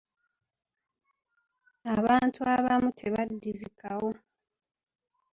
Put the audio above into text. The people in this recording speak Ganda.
Abantu abamu tebaddizikawo.